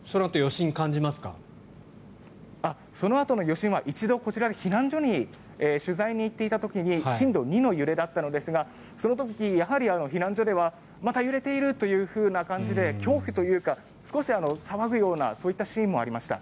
そのあとの余震は一度、避難所に取材に行っていた時に震度２の揺れだったのですがその時、やはり避難所ではまた揺れているという感じで恐怖というか少し、騒ぐようなそういったシーンもありました。